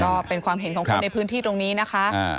ก็เป็นความเห็นของคนในพื้นที่ตรงนี้นะคะ